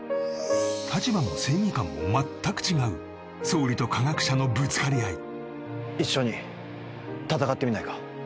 立場も正義感もまったく違う総理と科学者のぶつかり合い一緒に戦ってみないか？